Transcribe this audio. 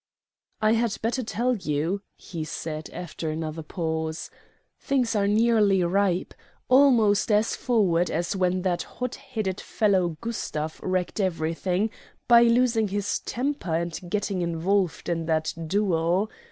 "I had better tell you," he said after another pause. "Things are nearly ripe; almost as forward as when that hot headed fellow Gustav wrecked everything by losing his temper and getting involved in that duel.